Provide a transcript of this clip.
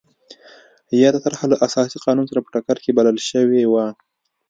یاده طرحه له اساسي قانون سره په ټکر کې بلل شوې وه.